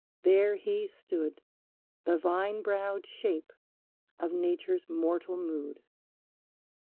There he stood, The vine browed shape of Nature's mortal mood.